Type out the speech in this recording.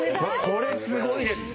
これすごいです。